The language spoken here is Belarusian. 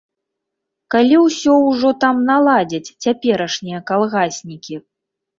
Калі ўсё ўжо там наладзяць цяперашнія калгаснікі?